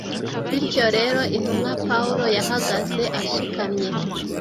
Bityo rero, intumwa Pawulo yahagaze ashikamye,